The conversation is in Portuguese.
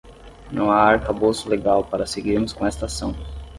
Não há arcabouço legal para seguirmos com esta ação